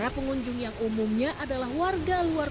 pengunjung yang umumnya adalah warga luar negara